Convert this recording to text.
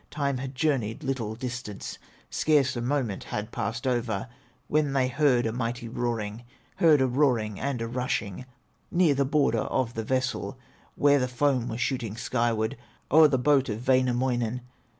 Time had journeyed little distance, Scarce a moment had passed over, When they heard a mighty roaring, Heard a roaring and a rushing Near the border of the vessel, Where the foam was shooting skyward O'er the boat of Wainamoinen.